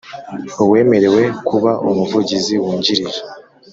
Uwemerewe kuba Umuvugizi Wungirije